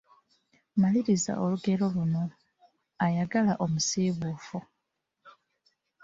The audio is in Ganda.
Maliriza olugero luno: Ayagala omusiiwuufu…